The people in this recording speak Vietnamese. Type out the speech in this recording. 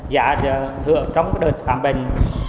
giả thưởng trong đợt khám bệnh